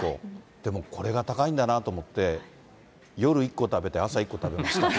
でもこれが高いんだなと思って、夜１個食べて、朝１個食べました。